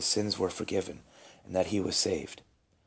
335 sins were forgiven and that he was saved.